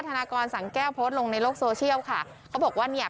นากรสังแก้วโพสต์ลงในโลกโซเชียลค่ะเขาบอกว่าเนี่ย